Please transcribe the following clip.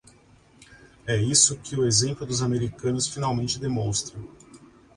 É isso que o exemplo dos americanos finalmente demonstra.